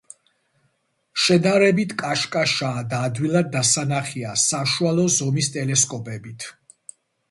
შედარებით კაშკაშაა და ადვილად დასანახია საშუალო ზომის ტელესკოპებით.